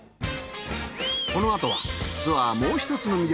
このあとはツアーもう１つの魅力